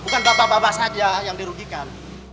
bukan bapak bapak saja yang dirugikan